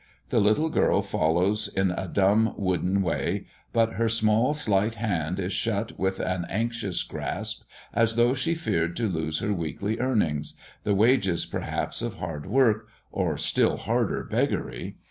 The little girl follows in a dumb wooden way; but her small slight hand is shut with an anxious grasp, as though she feared to lose her weekly earnings the wages, perhaps, of hard work, or still harder beggary.